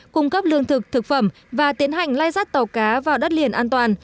cung cấp lương thực thực phẩm và tiến hành lai rắt tàu cá vào đất liền an toàn